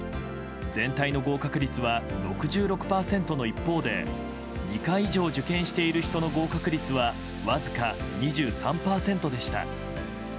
全体の合格率は６６％の一方で２回以上受験している人の合格率はわずか２３％でした。